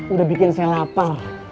udah bikin saya lapar